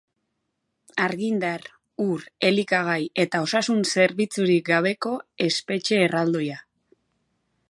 Argindar, ur, elikagai eta osasun zerbitzurik gabeko espetxe erraldoia.